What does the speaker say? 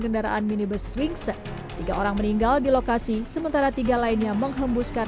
kendaraan minibus ringsek tiga orang meninggal di lokasi sementara tiga lainnya menghembuskan